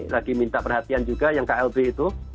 lagi minta perhatian juga yang klb itu